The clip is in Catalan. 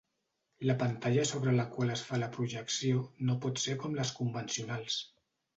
La pantalla sobre la qual es fa la projecció no pot ser com les convencionals.